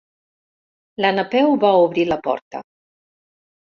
La Napeu va obrir la porta.